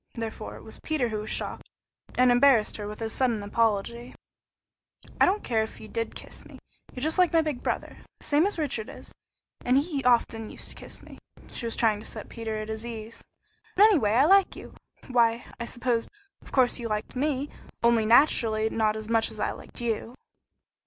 Therefore it was Peter who was shocked, and embarrassed her with his sudden apology. "I don't care if you did kiss me. You're just like my big brother the same as Richard is and he often used to kiss me." She was trying to set Peter at his ease. "And, anyway, I like you. Why, I supposed of course you liked me only naturally not as much as I liked you."